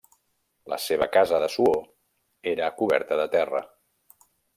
La seva casa de suor era coberta de terra.